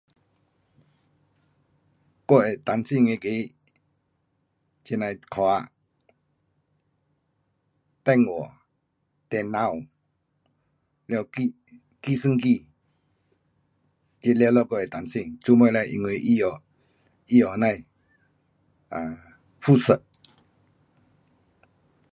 我会担心那个这呐的科学，电话，电脑，了计，计算机，这全部我会担心，做么呢？因为它用，它用这样的辐射。